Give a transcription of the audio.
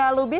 sampe aku ya